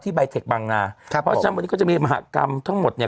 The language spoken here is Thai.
ใบเทคบางนาครับเพราะฉะนั้นวันนี้ก็จะมีมหากรรมทั้งหมดเนี่ย